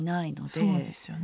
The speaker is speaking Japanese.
そうですよね。